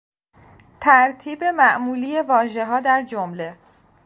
ترتیب معمولی واژهها درجمله